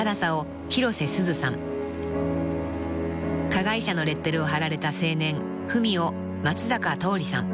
［加害者のレッテルを貼られた青年文を松坂桃李さん］